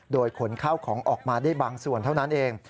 โดยขนข้าวของออกมาได้บางส่วนเท่านั้นเอง